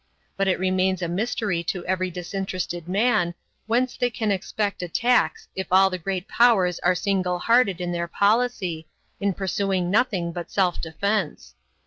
But it remains a mystery to every disinterested man whence they can expect attacks if all the great powers are single hearted in their policy, in pursuing nothing but self defense.